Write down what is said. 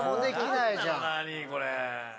これ。